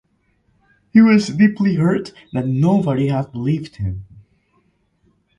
He was deeply hurt that nobody had believed him.